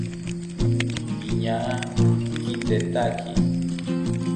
Iñaa kitetaki